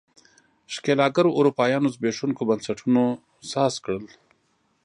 ښکېلاکګرو اروپایانو زبېښونکو بنسټونو ساز کړل.